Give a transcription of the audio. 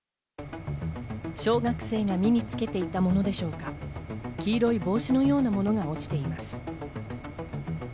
小学生が身につけていたものでしょうか、黄色い帽子のようなものが落ちています。